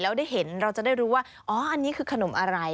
แล้วได้เห็นเราจะได้รู้ว่าอ๋ออันนี้คือขนมอะไร